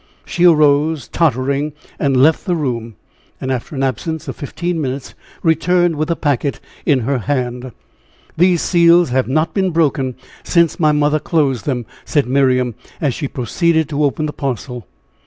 She arose, tottering, and left the room, and after an absence of fifteen minutes returned with the packet in her hand. "These seals have not been broken since my mother closed them," said Miriam, as she proceeded to open the parcel.